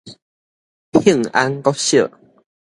幸安國小